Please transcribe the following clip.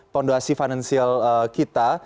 ponduasi finansial kita